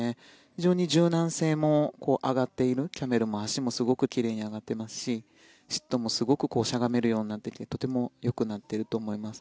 非常に柔軟性も上がっているキャメルも足もすごく奇麗に上がっていますしシットもすごくしゃがめるようになっていてとてもよくなっていると思います。